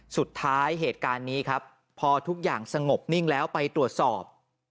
สุดท้ายเหตุการณ์นี้ครับพอทุกอย่างสงบนิ่งแล้วไปตรวจสอบ